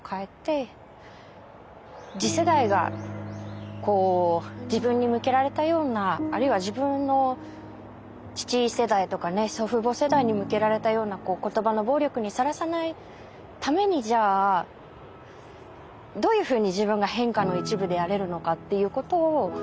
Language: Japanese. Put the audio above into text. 次世代が自分に向けられたようなあるいは自分の父世代とか祖父母世代に向けられたような言葉の暴力にさらさないためにじゃあどういうふうに自分が変化の一部であれるのかっていうことを考える。